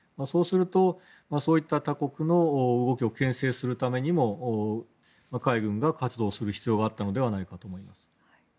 そうすると、そういった他国の動きをけん制するためにも海軍が活動する必要があったんじゃないかと思います。